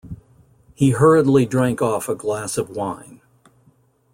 He hurriedly drank off a glass of wine.